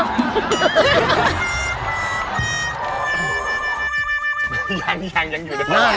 ยังอยู่เลย